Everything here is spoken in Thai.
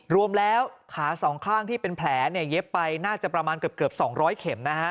รวมแล้วขาสองข้างที่เป็นแผลเนี่ยเย็บไปน่าจะประมาณเกือบ๒๐๐เข็มนะฮะ